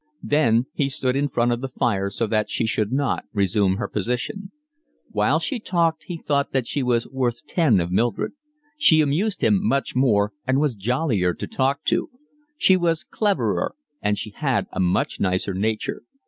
Then he stood in front of the fire so that she should not resume her position. While she talked he thought that she was worth ten of Mildred; she amused him much more and was jollier to talk to; she was cleverer, and she had a much nicer nature.